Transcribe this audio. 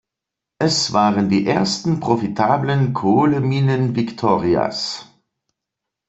Es waren die ersten profitablen Kohleminen Victorias.